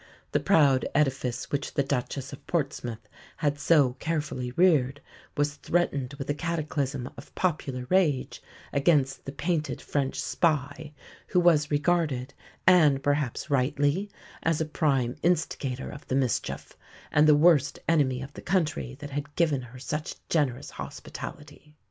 The proud edifice which the Duchess of Portsmouth had so carefully reared was threatened with a cataclysm of popular rage against the "painted French spy" who was regarded, and perhaps rightly, as a prime instigator of the mischief, and the worst enemy of the country that had given her such generous hospitality.